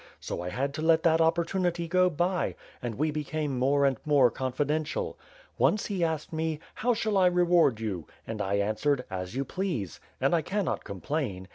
So I had to let that opportunity go by, and we became more and more confidential. Once, he asked me, *How shall I reward you?' And I answered, *As you please.' And I cannot complain.